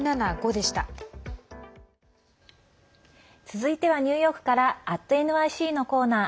続いてはニューヨークから「＠ｎｙｃ」のコーナー。